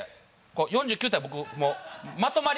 ４９体僕もうまとまりがなく。